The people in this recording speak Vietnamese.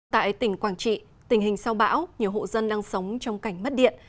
tại tỉnh quảng trị tình hình sau bão nhiều hộ dân đang sống trong cảnh mất điện